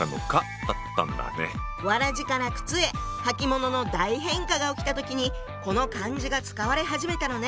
草鞋から靴へ履物の大変化が起きた時にこの漢字が使われ始めたのね。